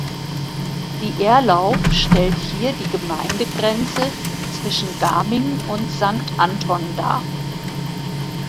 Die Erlauf stellt hier die Gemeindegrenze zwischen Gaming und Sankt Anton dar.